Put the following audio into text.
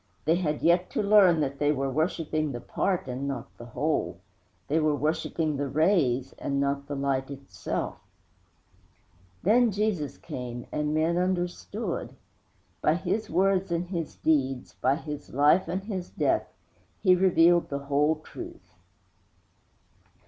They had yet to learn that they were worshiping the part and not the whole; they were worshiping the rays and not the Light Itself. Then Jesus came, and men understood. By His words and His deeds, by His life and His death, He revealed the whole truth.